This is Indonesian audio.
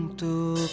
gue akan pergi